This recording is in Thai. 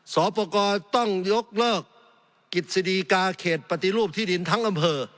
สอบประกอบต้องยกเลิกกิจสดีกาเขตปฏิรูปที่ดินทั้งอำเภอ